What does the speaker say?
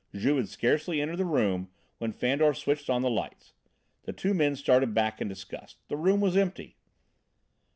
Juve had scarcely entered the room when Fandor switched on the lights; the two men started back in disgust; the room was empty!